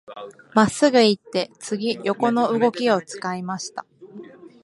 真っすぐ行って、次、横の動きを使いました。